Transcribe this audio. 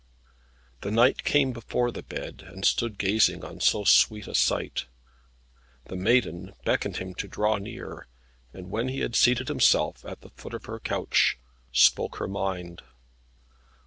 The knight came before the bed, and stood gazing on so sweet a sight. The Maiden beckoned him to draw near, and when he had seated himself at the foot of her couch, spoke her mind.